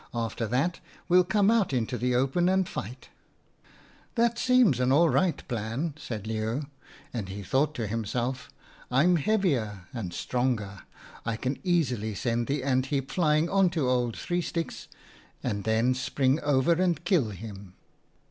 After that we'll come out into the open and fight' "' That seems an all right plan,' said Leeuw ; and he thought to himself, ' I'm heavier and stronger ; I can easily send the ant heap flying on to old Three Sticks, and then spring over and kill him.'